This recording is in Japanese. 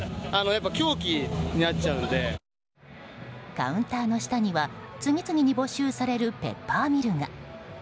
カウンターの下には次々に没収されるペッパーミルが。